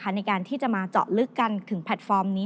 ในการที่จะมาเจาะลึกกันถึงแพลตฟอร์มนี้